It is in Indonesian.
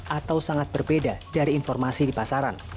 atau sangat berbeda dari informasi di pasaran